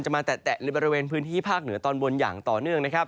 มาแตะในบริเวณพื้นที่ภาคเหนือตอนบนอย่างต่อเนื่องนะครับ